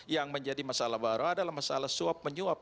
yang menjadi masalah baru adalah masalah suap menyuap